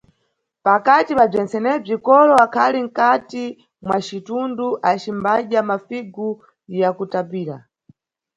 Pakati pa bzentsenebzi, kolo akhali mkati mwa citundu acimbadya mafigu yakutapira.